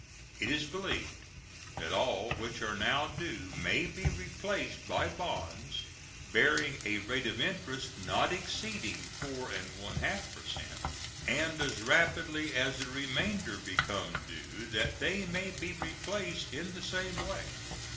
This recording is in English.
It is believed that all which are now due may be replaced by bonds bearing a rate of interest not exceeding 4 1/2 per cent, and as rapidly as the remainder become due that they may be replaced in the same way.